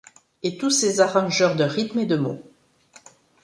Et tous ces arrangeurs de rhythmes et de mots